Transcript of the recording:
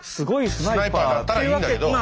スナイパーだったらいいんだけど。